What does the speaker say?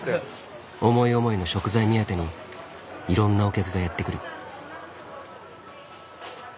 思い思いの食材目当てにいろんなお客がやって来る。